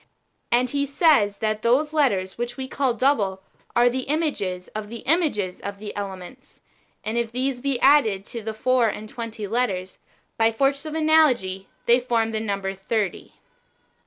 And he says that those letters which we call double^ are the images of the images of these elements ; and if these be added to the four and twenty letters, by the force of analogy they form the number thirty.